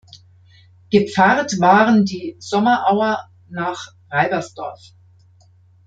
Gepfarrt waren die Sommerauer nach Reibersdorf.